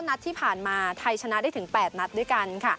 นัดที่ผ่านมาไทยชนะได้ถึง๘นัดด้วยกัน